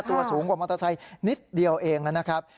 ตัวสูงกว่ามอเตอร์ไซค์นิดเดียวเองนะครับ